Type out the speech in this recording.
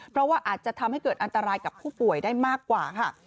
เพราะว่าอาจจะทำให้เกิดอันตรายกับผู้ป่วยได้มากกว่าค่ะ